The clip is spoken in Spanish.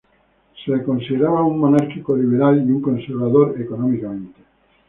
Se le consideraba un monárquico liberal y un conservador económicamente.